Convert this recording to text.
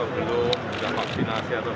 mulai dari masuknya setiap hari